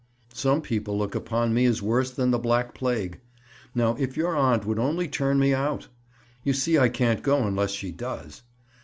"Some people look upon me as worse than the black plague. Now if your aunt would only turn me out? You see I can't go unless she does.